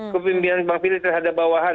kepimpinan bang philip terhadap bawahan